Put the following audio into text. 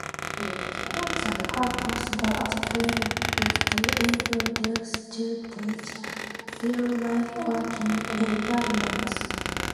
The purpose of the program is to introduce students to real-life working environments.